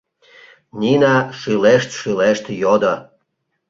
— Нина шӱлешт-шӱлешт йодо.